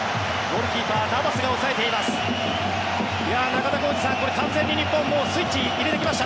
ゴールキーパー、ナバスが抑えています。